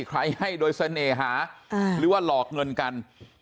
ให้โดยเสน่หาหรือว่าหลอกเงินกัน